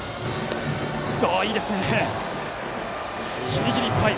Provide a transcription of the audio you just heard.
ギリギリいっぱい。